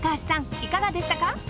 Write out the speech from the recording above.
いかがでしたか？